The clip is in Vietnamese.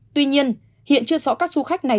tuy nhiên hiện chưa rõ các du khách này